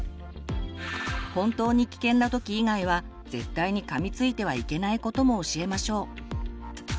本当に危険なとき以外は絶対にかみついてはいけないことも教えましょう。